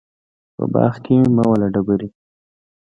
په باغ کې مه وله ډبري